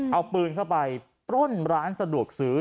เอาปืนเข้าไปปล้นร้านสะดวกซื้อ